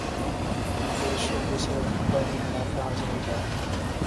کیونکہ اس شعبے سے بھاری منافع حاصل ہوتا ہے۔